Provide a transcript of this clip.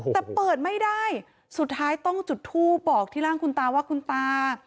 แต่เปิดไม่ได้สุดท้ายต้องจุดทูปบอกที่ร่างคุณตาว่าคุณตา